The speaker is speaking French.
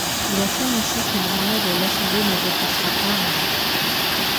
Il affirme aussi que le mandat de l'Assemblée ne dépassera pas un an.